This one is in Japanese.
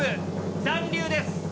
残留です。